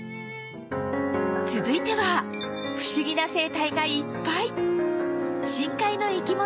続いては不思議な生態がいっぱい